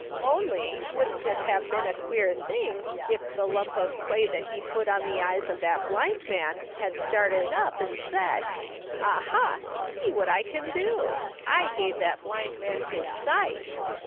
" Only, wouldn't it have been a queer thing if the lump of clay that he put on the eyes of that blind man bad started up and said :' Aha, see what I can do ! I gave that blind man his sight